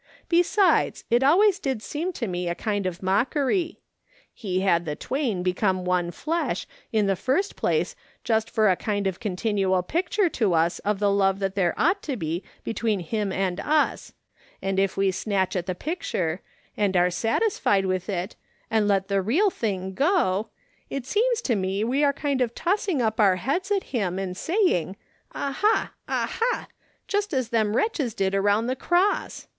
Besides, it always did seem to me a kind of mockery. He had the ' tv/ain become one flesh' in the first place just for a kind of continual picture to us of the love that there ought to be between him and us ; and if we snatch at the picture, and are satisfied with it, and let the real thing go, it seems 96 RIKS. SOrOAfON SMITH I.OOR'IXG ON. to me we are kind of tossing up our heads at liim, and saying, ' Aha ! Aha !' just as them wretclies did around the cross.